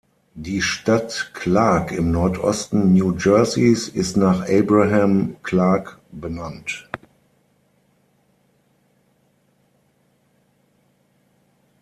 Die Stadt Clark im Nordosten New Jerseys ist nach Abraham Clark benannt.